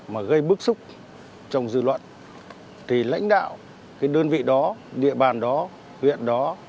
mà gây bức xúc trong dư luận thì lãnh đạo cái đơn vị đó địa bàn đó huyện đó